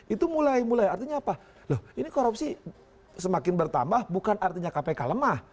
itu mulai mulai artinya apa loh ini korupsi semakin bertambah bukan artinya kpk lemah